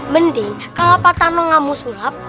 mending kalau pak tano gak mau sulap